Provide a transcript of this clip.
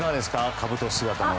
かぶと姿。